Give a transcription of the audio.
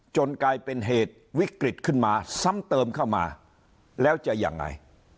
กลายเป็นเหตุวิกฤตขึ้นมาซ้ำเติมเข้ามาแล้วจะยังไง